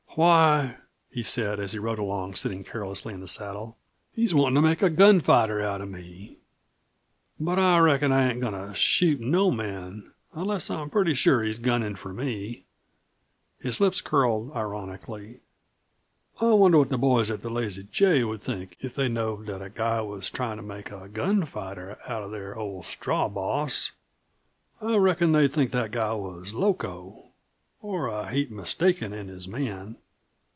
"Why," he said, as he rode along, sitting carelessly in the saddle, "he's wantin' to make a gunfighter out of me. But I reckon I ain't goin' to shoot no man unless I'm pretty sure he's gunnin' for me." His lips curled ironically. "I wonder what the boys of the Lazy J would think if they knowed that a guy was tryin' to make a gunfighter out of their old straw boss. I reckon they'd think that guy was loco or a heap mistaken in his man.